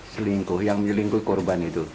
selingkuh yang menyelingkuh korban itu